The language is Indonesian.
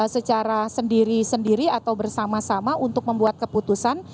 secara sendiri sendiri atau bersama sama untuk membuat keputusan